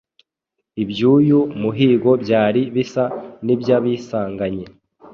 iby’uyu muhigo byari bisa n’ibyasibanganye,